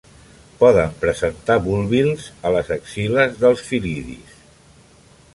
Poden presentar bulbils a les axil·les dels fil·lidis.